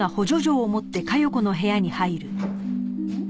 ん？